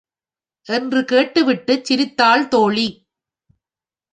என்று கேட்டுவிட்டுச் சிரித்தாள் தோழி.